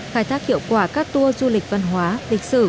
khai thác hiệu quả các tour du lịch văn hóa lịch sử